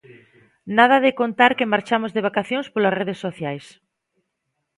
Nada de contar que marchamos de vacacións polas redes sociais.